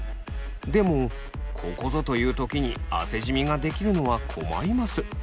でもここぞという時に汗じみができるのは困ります。